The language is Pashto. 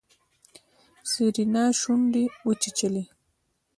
سېرېنا شونډې وچيچلې.